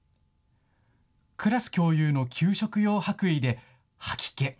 クラス共有の給食用白衣で吐き気！